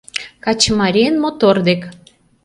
Качымарийын мотор дек.